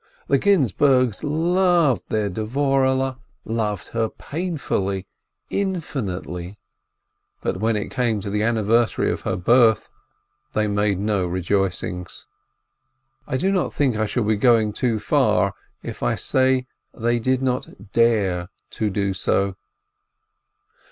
The Ginzburgs loved their Dvorehle, loved her pain fully, infinitely, but when it came to the anniversary of her birth they made no rejoicings. I do not think I shall be going too far if I say they did not dare to do so.